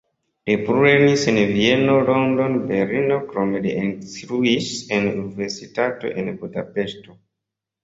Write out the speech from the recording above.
Li plulernis en Vieno, Londono Berlino, krome li ekinstruis en universitato en Budapeŝto.